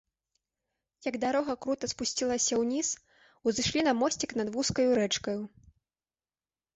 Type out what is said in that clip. Як дарога крута спусцілася ўніз, узышлі на мосцік над вузкаю рэчкаю.